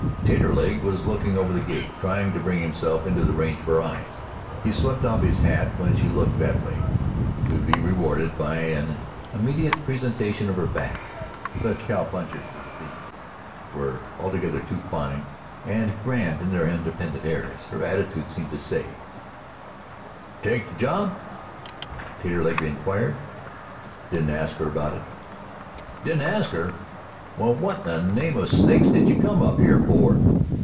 Taterleg was looking over the gate, trying to bring himself into the range of her eyes. He swept off his hat when she looked that way, to be rewarded by an immediate presentation of her back. Such cow punchers as these were altogether too fine and grand in their independent airs, her attitude seemed to say. "Did you take the job?" Taterleg inquired. "I didn't ask her about it." "You didn't ask her? Well, what in the name of snakes did you come up here for?"